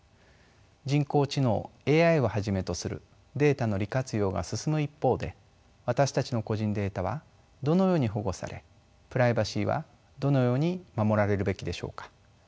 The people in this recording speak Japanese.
人工知能ＡＩをはじめとするデータの利活用が進む一方で私たちの個人データはどのように保護されプライバシーはどのように守られるべきでしょうか。